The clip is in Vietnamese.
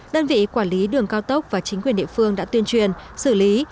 đơn vị quản lý đường cao tốc và chính quyền địa phương đã tuyên truyền xử lý